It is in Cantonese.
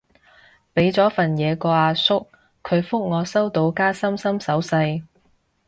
畀咗份嘢個阿叔，佢覆我收到加心心手勢